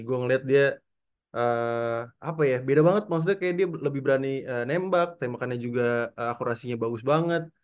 gue ngeliat dia apa ya beda banget maksudnya kayak dia lebih berani nembak tembakannya juga akurasinya bagus banget